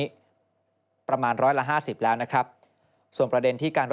โดยรฟทจะประชุมและปรับแผนให้สามารถเดินรถได้ทันในเดือนมิถุนายนปี๒๕๖๓